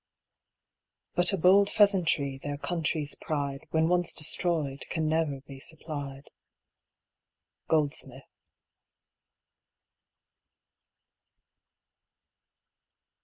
But a bold pheasantry, their country's pride When once destroyed can never be supplied. GOLDSMITH.